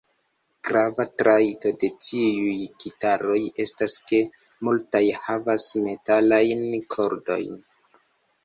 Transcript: Grava trajto de tiuj gitaroj estas ke multaj havas metalajn kordojn.